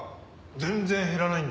全然減らないんだよ。